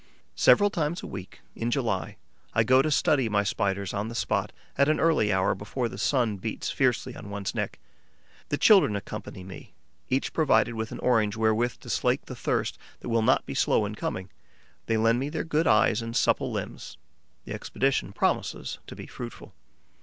Several times a week, in July, I go to study my Spiders on the spot, at an early hour, before the sun beats fiercely on one's neck. The children accompany me, each provided with an orange wherewith to slake the thirst that will not be slow in coming. They lend me their good eyes and supple limbs. The expedition promises to be fruitful.